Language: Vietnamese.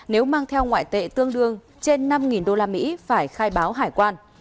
nếu mang theo ngoại tệ tương đương trên năm usd phải khai báo hải quan